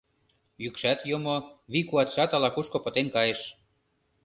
Йӱкшат йомо, вий-куатшат ала-кушко пытен кайыш...